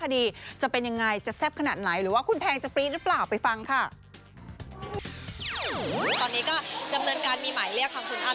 ตอนนี้ก็ดำเนินการมีหมายเรียกทางคุณอ้ำ